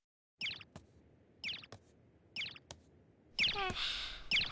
はあ。